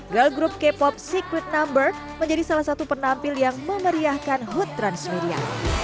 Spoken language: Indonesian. girl group k pop secret number menjadi salah satu penampil yang memeriahkan hut transmedia